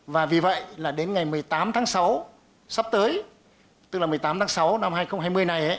và vì vậy là đến ngày một mươi tám tháng sáu sắp tới tức là một mươi tám tháng sáu năm hai nghìn hai mươi này